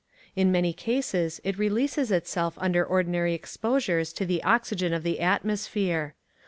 In many cases it releases itself under ordinary exposures to the oxygen of the atmosphere.